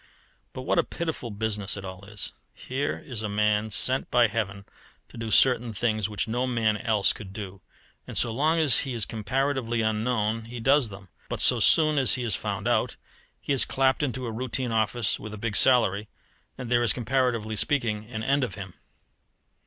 But what a pitiful business it all is! Here is a man sent by Heaven to do certain things which no man else could do, and so long as he is comparatively unknown he does them; but so soon as he is found out, he is clapped into a routine office with a big salary: and there is, comparatively speaking, an end of him.